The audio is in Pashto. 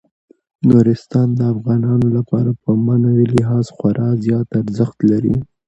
نورستان د افغانانو لپاره په معنوي لحاظ خورا زیات ارزښت لري.